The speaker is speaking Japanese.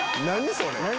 それ。